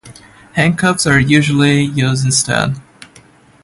Handcuffs are usually used instead.